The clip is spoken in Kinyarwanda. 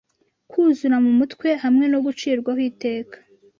Kwuzura mu mutwe hamwe no gucirwaho iteka